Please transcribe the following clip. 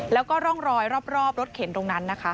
แล้วก็ร่องรอยรอบรถเข็นตรงนั้นนะคะ